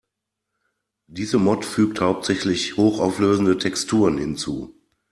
Diese Mod fügt hauptsächlich hochauflösende Texturen hinzu.